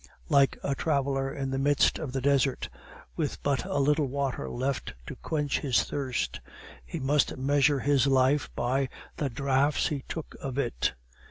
Like a traveler in the midst of the desert, with but a little water left to quench his thirst, he must measure his life by the draughts he took of it.